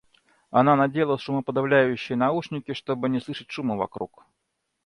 Она надела шумоподовляющие наушники, чтобы не слышать шума вокруг.